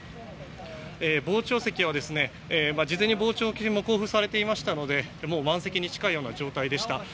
傍聴席は事前に傍聴券も交付されていましたので満席に近いような状態でした。